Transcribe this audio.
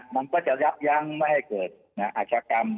มันก็จะยับยั้งไม่ให้เกิดอาชกรรม